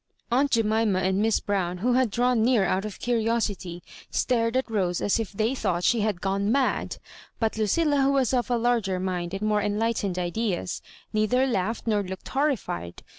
Aunt Jemima and Miss Brown, who had drawn near out of curiosity, stared at Rose as if they though she had gone mad; but Lucilla, who was of a larger mind and more enlightened ideas; neither laughed nor looked horrified.